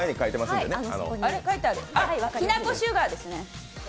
きなこシュガーですね。